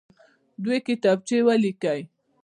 دوې کتابچې ولیکئ.